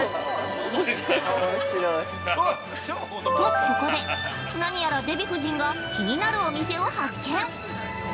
◆とここで、何やらデヴィ夫人が、気になるお店を発見。